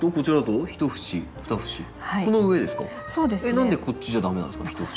何でこっちじゃ駄目なんですか？